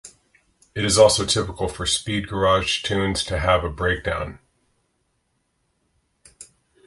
It is also typical for speed garage tunes to have a breakdown.